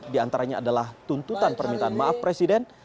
diantaranya adalah tuntutan permintaan maaf presiden